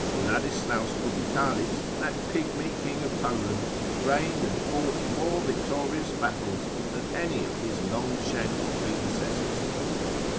A. Dom. 1306. Uladeslaus Cubitalis that pigmy king of Poland reigned and fought more victorious battles than any of his long shanked predecessors.